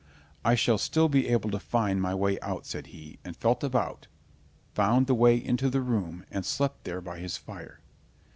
"I shall still be able to find my way out," said he, and felt about, found the way into the room, and slept there by his fire.